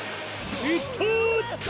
いった！